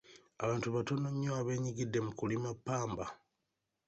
Abantu batono nnyo abeenyigidde mu kulima ppamba.